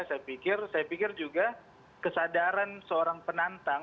saya pikir juga kesadaran seorang penantang